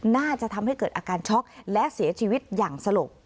น่าจะทำให้เกิดอาการช็อกและเสียชีวิตอย่างสลบ